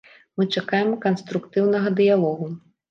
Мы чакаем канструктыўнага дыялогу.